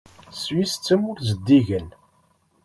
Swiss d tamurt zeddigen.